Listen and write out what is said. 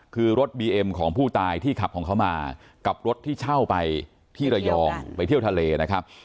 คือรถบีเอ็มของผู้ตายที่ขับของเขามากับรถที่เช่าไปที่ระยองไปเที่ยวทะเลนะครับ